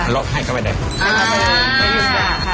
แล้วให้เขาไปด้วย